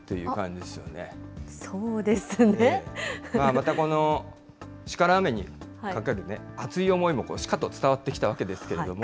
またこの鹿ラーメンにかかるね、熱い思いもしかと伝わってきたわけですけれども。